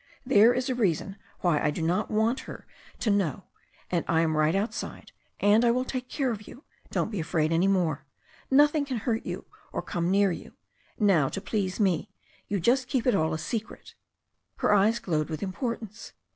There is a reason why I do not want her to know. And I am all right outside. And I will take care of you. Don't be afraid any more. Nothing can hurt you or come near you. Now, to please me, you just keep it all a secret." Her eyes glowed with importance.